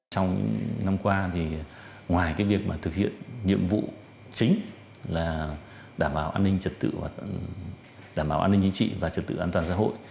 trong năm qua thì ngoài cái việc mà thực hiện nhiệm vụ chính là đảm bảo an ninh trật tự và đảm bảo an ninh chính trị và trật tự an toàn xã hội